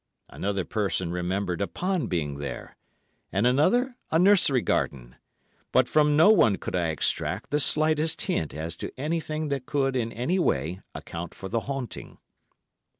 Another person remembered a pond being there, and another a nursery garden; but from no one could I extract the slightest hint as to anything that could in any way account for the haunting.